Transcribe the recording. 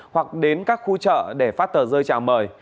hoặc đến các khu chợ để phát tờ rơi chào mời